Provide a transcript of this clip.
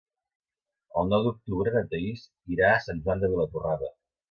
El nou d'octubre na Thaís irà a Sant Joan de Vilatorrada.